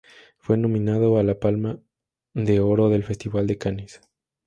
Fue nominada a la Palma de Oro del Festival de Cannes.